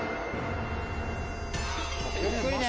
ゆっくりね！